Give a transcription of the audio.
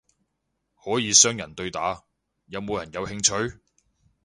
可以雙人對打，有冇人有興趣？